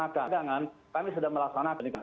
melakukan perjalanan kami sudah melaksanakannya